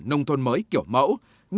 nông thôn mới kiểu mẫu